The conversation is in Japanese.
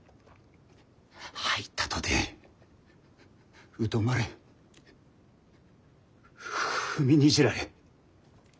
入ったとて疎まれ踏みにじられ。